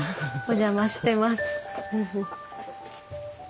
お邪魔してます。